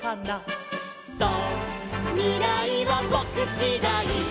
「そうみらいはぼくしだい」